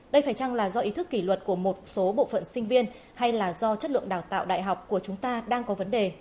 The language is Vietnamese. đây phải chăng là do ý thức kỷ luật của một số bộ phận sinh viên hay là do chất lượng đào tạo đại học của chúng ta đang có vấn đề